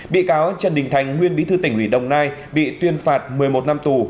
bị cáo trần đình thành nguyên bí thư tỉnh ủy đồng nai bị tuyên phạt một mươi một năm tù